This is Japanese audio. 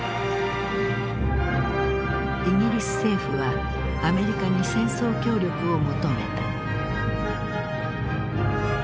イギリス政府はアメリカに戦争協力を求めた。